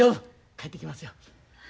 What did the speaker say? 帰ってきますよ。